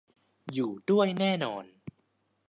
อยู่ด้วยแน่นอน